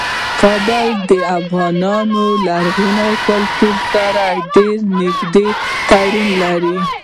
کابل د افغان لرغوني کلتور سره ډیر نږدې تړاو لري.